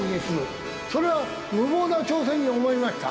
それは無謀な挑戦に思えました。